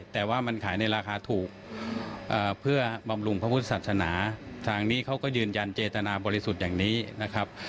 แต่ว่ามันขายในราคาถูกเพื่อบำรุงพระพุทธศาสนาทางนี้เขาก็ยืนยันเจตนาบริสุทธิ์อย่างนี้นะครับ